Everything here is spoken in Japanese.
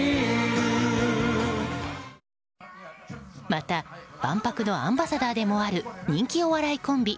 また万博のアンバサダーでもある人気お笑いコンビ